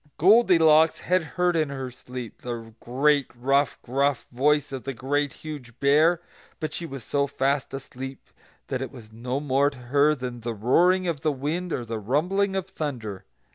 Goldilocks had heard in her sleep the great, rough, gruff voice of the Great Huge Bear; but she was so fast asleep that it was no more to her than the roaring of wind or the rumbling of thunder.